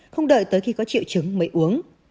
không đợi tới khi có triệu chứng mới uống